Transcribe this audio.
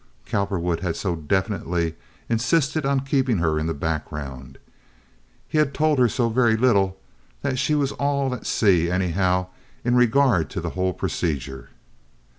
Cowperwood had so definitely insisted on her keeping in the background—he had told her so very little that she was all at sea anyhow in regard to the whole procedure.